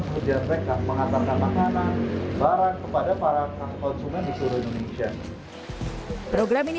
kerja mereka mengantarkan makanan barang kepada para konsumen di seluruh indonesia program ini